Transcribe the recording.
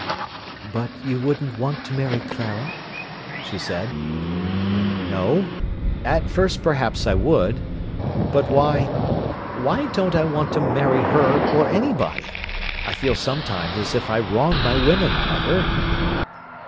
"But you wouldn't want to marry Clara?" she said. "No; at first perhaps I would. But why—why don't I want to marry her or anybody? I feel sometimes as if I wronged my women, mother."